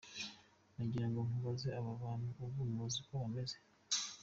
Nagira ngo nkubaze, aba bantu ubu muzi uko bameze ?